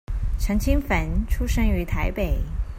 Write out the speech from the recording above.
陳清汾出生於台北